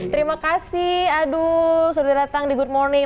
terima kasih aduh sudah datang di good morning